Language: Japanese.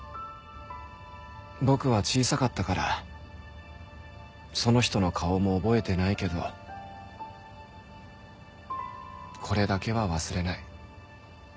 僕は小さかったからその人の顔も覚えてないけどこれだけは忘れない。